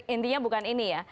intinya bukan ini ya